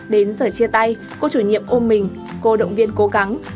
đến giờ chia tay cô chủ nhiệm ôm mình cô động viên cố gắng